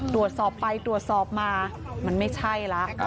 ตรวจสอบไปตรวจสอบมามันไม่ใช่แล้ว